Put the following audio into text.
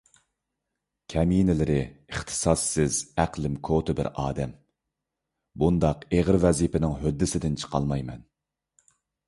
كەمىنىلىرى، ئىختىساسسىز، ئەقلىم كوتا بىر ئادەم، بۇنداق ئېغىر ۋەزىپىنىڭ ھۆددىسىدىن چىقالمايمەن.